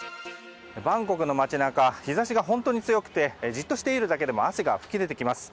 バンコクの街中日差しが本当に強くてじっとしているだけでも汗が噴き出てきます。